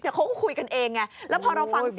เขาก็คุยกันเองแล้วพอเราฟังเสียงในคลิป